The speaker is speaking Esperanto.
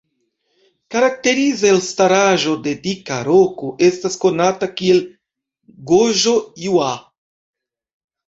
Karakteriza elstaraĵo de dika roko estas konata kiel "Goĵo-iŭa"